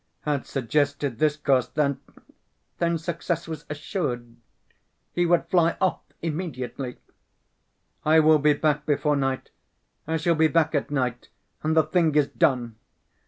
had suggested this course, then ... then success was assured. He would fly off immediately. "I will be back before night, I shall be back at night and the thing is done.